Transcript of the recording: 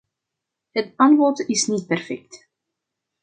Het aanbod is niet perfect.